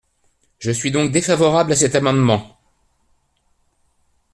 Je suis donc défavorable à cet amendement.